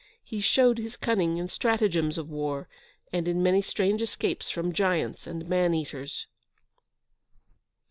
He showed his cunning in stratagems of war, and in many strange escapes from giants and man eaters.